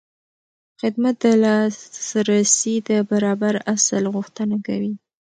خدمت د لاسرسي د برابر اصل غوښتنه کوي.